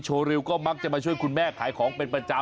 ริวก็มักจะมาช่วยคุณแม่ขายของเป็นประจำ